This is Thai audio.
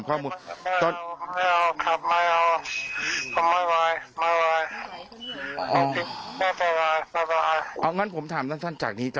อ๋อโอเคครับโอเค